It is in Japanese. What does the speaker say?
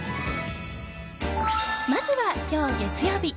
まずは今日、月曜日。